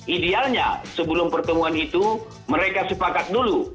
idealnya sebelum pertemuan itu mereka sepakat dulu